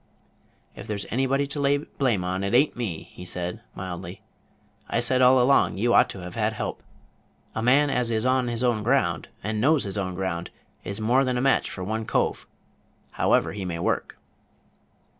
"If there's anybody to lay blame on, it a'n't me," he said, mildly. "I said all along you ought to have had help. A man as is on his own ground, and knows his own ground, is more than a match for one cove, however hard he may work."